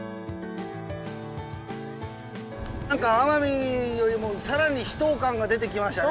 なんか奄美よりも更に秘島感が出てきましたね。